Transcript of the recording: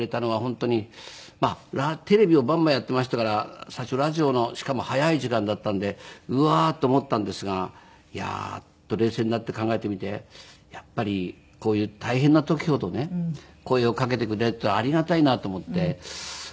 まあテレビをバンバンやっていましたから最初ラジオのしかも早い時間だったのでうわっと思ったんですがいやっと冷静になって考えてみてやっぱりこういう大変な時ほどね声をかけてくれるっていうのはありがたいなと思って。